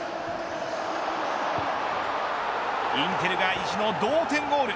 インテルが意地の同点ゴール。